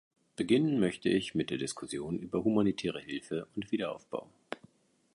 Beginnen möchte ich mit der Diskussion über humanitäre Hilfe und Wiederaufbau.